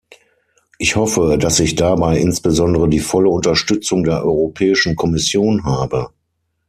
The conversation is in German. Ich hoffe, dass ich dabei insbesondere die volle Unterstützung der Europäischen Kommission habe.